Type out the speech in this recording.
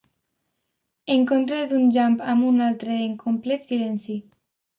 Encontre d'un llamp amb un altre en complet silenci.